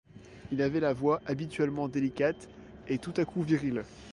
Il avait la voix habituellement délicate et tout à coup virile.